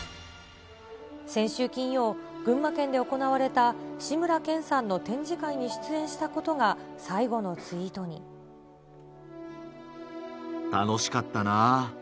先週金曜、群馬県で行われた志村けんさんの展示会に出演したことが最後のツ楽しかったなぁ。